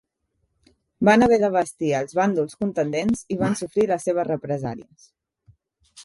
Van haver d'abastir als bàndols contendents i van sofrir les seves represàlies.